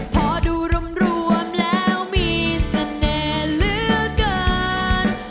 พอดูรวมแล้วมีเสน่ห์เหลือเกิน